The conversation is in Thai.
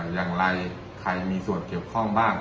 อย่างไรใครมีส่วนเกี่ยวข้องบ้าง